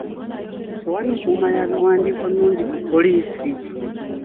Tewali nkuuma ya biwandiiko nnungi ku poliisi.